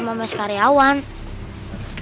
mes karyawan jadi aku bisa lihat di sini